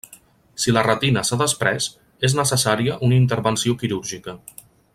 Si la retina s'ha desprès, és necessària una intervenció quirúrgica.